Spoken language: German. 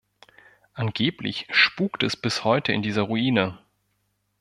Angeblich spukt es bis heute auf dieser Ruine.